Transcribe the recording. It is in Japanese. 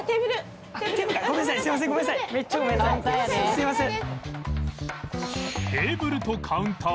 すみません！